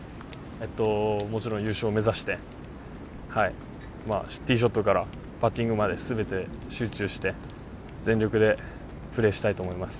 もちろん優勝を目指して、ティーショットからパッティングまで全てに集中して、全力でプレーしたいと思います。